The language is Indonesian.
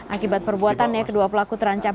akibat perbuatannya kedua pelaku terancam